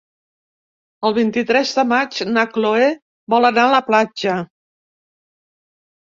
El vint-i-tres de maig na Cloè vol anar a la platja.